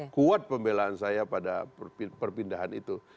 kuat pembelaan saya pada perpindahan itu